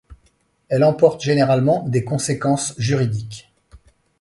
Elle emporte généralement des conséquences juridiques.